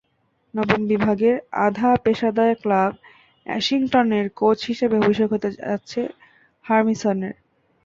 নবম বিভাগের আধা পেশাদার ক্লাব অ্যাশিংটনের কোচ হিসেবে অভিষেক হতে যাচ্ছে হার্মিসনের।